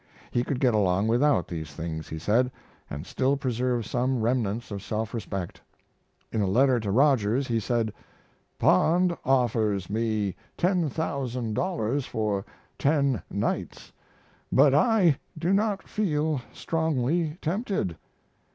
He could get along without these things, he said, and still preserve some remnants of self respect. In a letter to Rogers he said: Pond offers me $10,000 for 10 nights, but I do not feel strongly tempted.